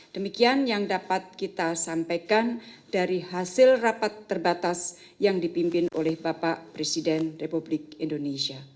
demikian yang dapat kita sampaikan dari hasil rapat terbatas yang dipimpin oleh bapak presiden republik indonesia